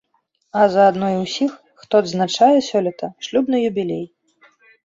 А заадно і ўсіх, хто адзначае сёлета шлюбны юбілей.